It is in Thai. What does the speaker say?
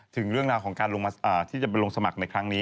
ถึงเรื่องราวของการที่จะไปลงสมัครในครั้งนี้